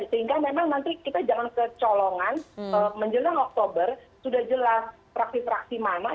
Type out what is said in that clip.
sehingga memang nanti kita jangan kecolongan menjelang oktober sudah jelas fraksi fraksi mana